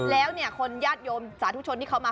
แล้วคนยาดโยมสาธุชนที่เข้ามา